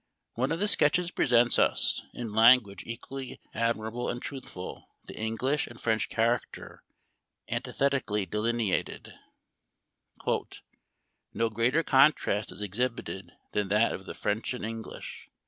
One of the sketches presents us, in language equally admirable and truthful, the English and French character antithetically delineated :" No greater contrast is exhibited than that of the French and English.